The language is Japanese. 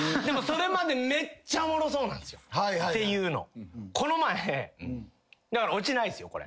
でもそれまでめっちゃおもろそうなんですよっていうのこの前だからオチないですよ？